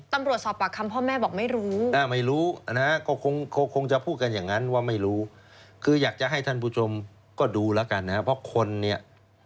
ตำรวจสอบปากคำพ่อแม่บอกไม่รู้ไม่รู้นะฮะก็คงจะพูดกันอย่างนั้นว่าไม่รู้คืออยากจะให้ท่านผู้ชมก็ดูแล้วกันนะครับเพราะคนเนี่ย